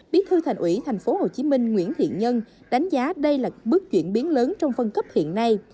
bí thư thành ủy tp hcm nguyễn thiện nhân đánh giá đây là bước chuyển biến lớn trong phân cấp hiện nay